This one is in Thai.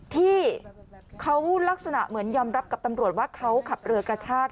ที่เขาลักษณะเหมือนยอมรับกับตำรวจว่าเขาขับเรือกระชาก